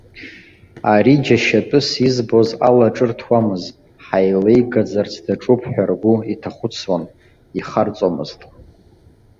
Ари џьашьатәыс избоз алаҿырҭуамызт, ҳаилеигаӡарц даҿуп ҳәа ргәы иҭахәыцуан, ихарҵомызт.